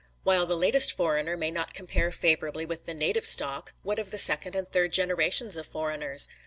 While the latest foreigner may not compare favourably with the native stock, what of the second and third generations of foreigners?